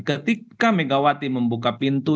ketika megawati membuka pintu